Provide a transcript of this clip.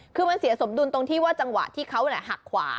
คือมันเสียสมดุลตรงที่ว่าจังหวะที่เขาหักขวา